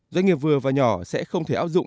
doanh nghiệp vừa và nhỏ sẽ không thể áp dụng